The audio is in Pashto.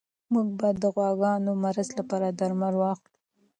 موږ به د غواګانو د مرض لپاره درمل واخلو.